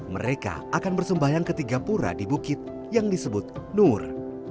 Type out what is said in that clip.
mereka akan bersembahyang ketiga pura di bukit yang disebut nur